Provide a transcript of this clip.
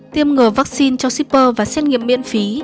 tiêm ngừa vaccine cho shipper và xét nghiệm miễn phí